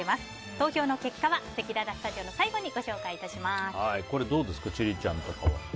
投票の結果はせきららスタジオの最後にどうですか、千里ちゃん。